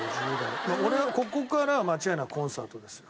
俺はここからは間違いなくコンサートですよ